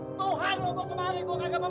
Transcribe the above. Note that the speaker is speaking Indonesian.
tuhan lo gue kemahin gue kagak mempat